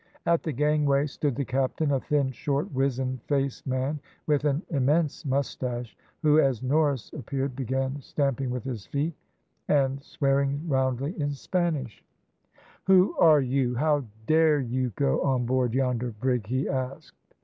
At the gangway stood the captain, a thin, short, wizen faced man, with an immense moustache, who, as Norris appeared, began stamping with his feet, and swearing roundly in Spanish "`Who are you? How dared you go on board yonder brig?' he asked.